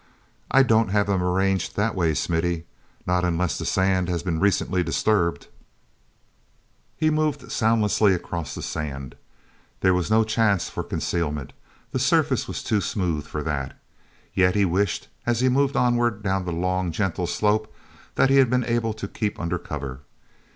I don't have them arranged that way, Smithy—not unless the sand has been recently disturbed!" e moved soundlessly across the sand. There was no chance for concealment; the surface was too smooth for that. Yet he wished, as he moved onward down the long, gentle slope, that he had been able to keep under cover.